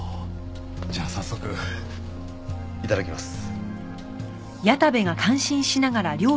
じゃあ早速いただきます。